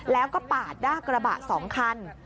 แล้วก็ปาดหน้ากระบะ๒คัน